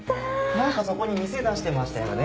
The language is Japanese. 何かそこに店出してましたよね。